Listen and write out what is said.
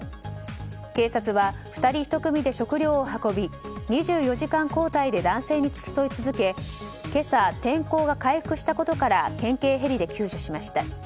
警察は２人１組で食料を運び２４時間交代で男性に付き添い続け今朝、天候が回復したことから県警ヘリで救助しました。